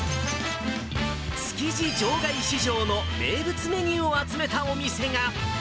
築地場外市場の名物メニューを集めたお店が。